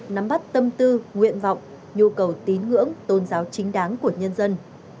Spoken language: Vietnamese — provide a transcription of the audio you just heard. nắm bắt tâm tư nguyện vọng nhu cầu tín ngưỡng tôn giáo chính đáng của nhân dân